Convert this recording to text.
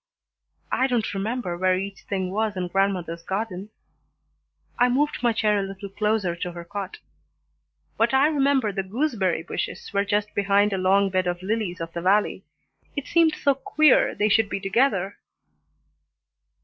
"I don't remember where each thing was in grandmother's garden." I moved my chair a little closer to her cot. "But I remember the gooseberry bushes were just behind a long bed of lilies of the valley. It seemed so queer they should be together."